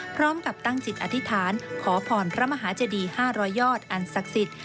พร้อมกับตั้งจิตอธิษฐานขอพรพระมหาเจดี๕๐๐ยอดอันศักดิ์สิทธิ์